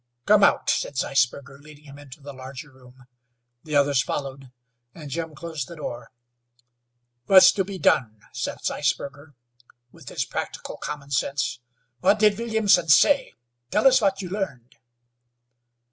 "Come out," said Zeisberger, leading him into the larger room. The others followed, and Jim closed the door. "What's to be done?" said Zeisberger, with his practical common sense. "What did Williamson say? Tell us what you learned?"